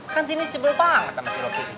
kan ini sebel banget sama si ropi